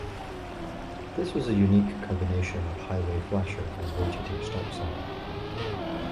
This was a unique combination of highway flasher and rotating stop sign.